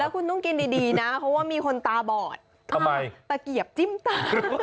คุณต้องกินดีนะเพราะว่ามีคนตาบอดทำไมตะเกียบจิ้มตา